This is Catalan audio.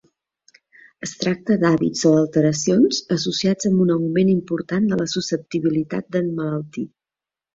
Es tracta d'hàbits o alteracions associats amb un augment important de la susceptibilitat d'emmalaltir.